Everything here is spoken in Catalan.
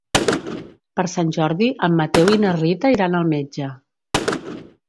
Per Sant Jordi en Mateu i na Rita iran al metge.